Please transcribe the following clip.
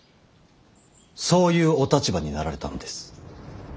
そういうお立場になられたのです。